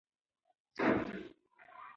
خپلو اعمالو ته پام وکړئ.